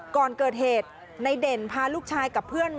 ก่อนเกิดเหตุในเด่นพาลูกชายกับเพื่อนมา